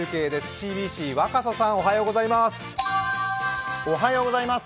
ＣＢＣ・若狭さん、おはようございます。